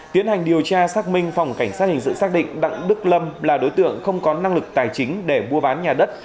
tiến hành điều tra xác minh phòng cảnh sát hình sự xác định đặng đức lâm là đối tượng không có năng lực tài chính để mua bán nhà đất